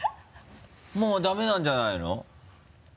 もうダメなんじゃないの？